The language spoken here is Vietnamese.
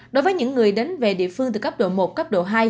đối với những người đến về địa phương từ cấp độ một cấp độ hai